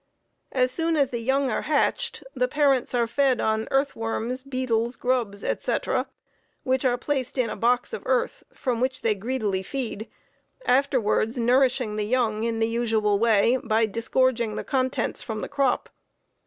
As soon as the young are hatched the parents are fed on earth worms, beetles, grubs, etc., which are placed in a box of earth, from which they greedily feed, afterwards nourishing the young, in the usual way, by disgorging the contents from the crop.